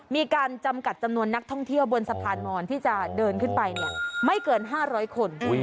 มีการจำกัดจำนวนนักท่องเที่ยวบนสะพานมอนที่จะเดินขึ้นไปไม่เกิน๕๐๐คน